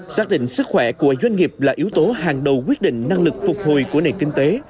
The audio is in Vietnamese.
xác định sức khỏe của doanh nghiệp là yếu tố hàng đầu quyết định năng lực phục hồi của nền kinh tế